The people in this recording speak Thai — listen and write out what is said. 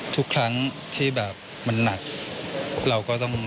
ทุกครั้งที่มันหนัก